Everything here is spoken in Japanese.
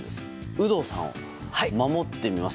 有働さんを守ってみます。